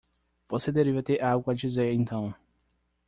Você deveria ter algo a dizer então!